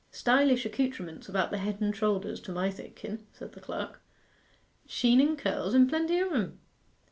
'Stylish accoutrements about the head and shoulders, to my thinken,' said the clerk. 'Sheenen curls, and plenty o' em.